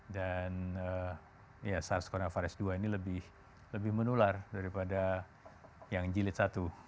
dan sars cov dua ini lebih menular daripada yang jilid satu